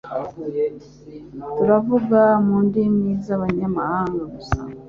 turavuga mu ndimi z'abanyamahanga gusa.